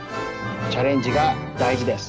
チャレンジがだいじです。